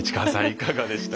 いかがでしたか？